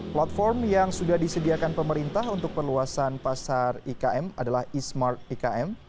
platform yang sudah disediakan pemerintah untuk perluasan pasar ikm adalah e smart ikm